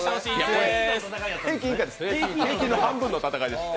平均の半分の戦いでした。